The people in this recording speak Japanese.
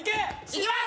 いきます！